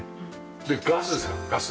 でガスですかガス。